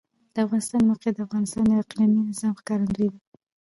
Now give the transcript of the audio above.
د افغانستان د موقعیت د افغانستان د اقلیمي نظام ښکارندوی ده.